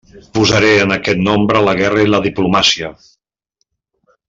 Posaré en aquest nombre la guerra i la diplomàcia.